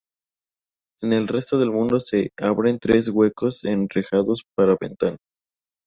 En el resto del muro se abren tres huecos enrejados para ventana.